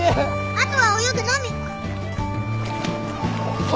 あとは泳ぐのみ！